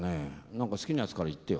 何か好きなやつからいってよ。